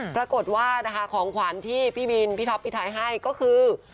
ปรากฏว่านะคะของขวัญที่พี่บินพี่ท็อปพี่ไทยให้ก็คือ